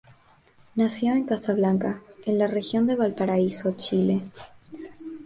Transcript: Nació en Casablanca, en la Región de Valparaíso, Chile.